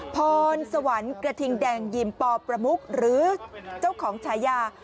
พรสวรรค์กระทิงแดงยิมปประมุกหรือเจ้าของฉายา